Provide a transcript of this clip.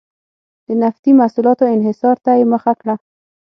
د نفتي محصولاتو انحصار ته یې مخه کړه.